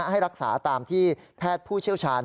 ให้รักษาตามที่แพทย์ผู้เชี่ยวชาญ